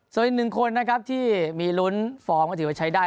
ส่วนอีกหนึ่งคนนะครับที่มีลุ้นฟอร์มก็ถือว่าใช้ได้